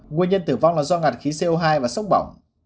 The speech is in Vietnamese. nguyên nhân tử vong là do ngạt khí co hai và sốc bỏng